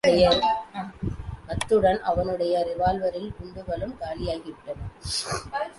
அத்துடன் அவனுடைய ரிவால்வரில் குண்டுகளும் காலியாகிவிட்டன.